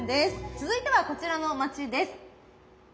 続いてはこちらの町です。